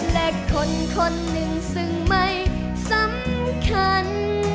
และคนคนหนึ่งซึ่งไม่สำคัญ